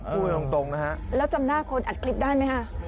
พูดจริงจริงตรงตรงนะฮะแล้วจำหน้าคนอัดคลิปได้ไหมฮะ